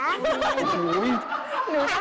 เป็นแขกรับชัยมางั้นหน้าพุธรู้ไม่จำว่า